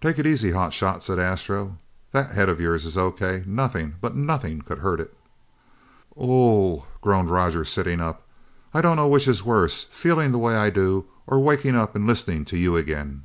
"Take it easy, hot shot," said Astro, "that head of yours is O.K. Nothing but nothing could hurt it!" "Ooohhhh!" groaned Roger, sitting up. "I don't know which is worse, feeling the way I do, or waking up and listening to you again!"